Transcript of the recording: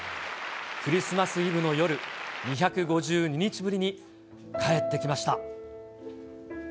クリスマスイブの夜、２５２日ぶりに帰ってきました。